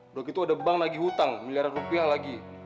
udah gitu ada bank lagi hutang miliaran rupiah lagi